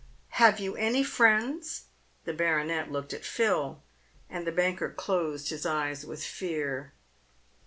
Have you any friends ?" The baronet looked at Phil, and the banker closed his eyes with fear.